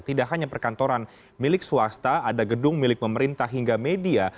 tidak hanya perkantoran milik swasta ada gedung milik pemerintah hingga media